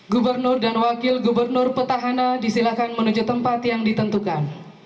gubernur dan wakil gubernur petahana disilakan menuju tempat yang ditentukan